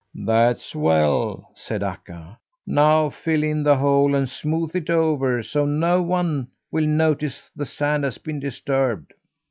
"That's well!" said Akka. "Now fill in the hole and smooth it over so no one will notice the sand has been disturbed."